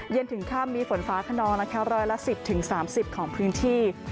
เย็นถึงข้ามมีฝนฟ้าขนอนร้อยละ๑๐๓๐ของพื้นที่